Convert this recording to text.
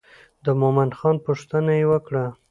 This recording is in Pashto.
د مومن خان پوښتنه یې وکړه.